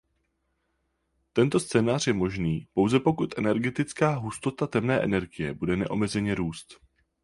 Tento scénář je možný pouze pokud energetická hustota temné energie bude neomezeně růst.